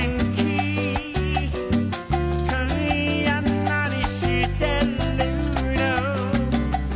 「今夜なにしてるの？」